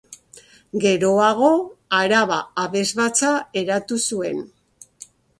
Geroago, Araba Abesbatza eratu zuen.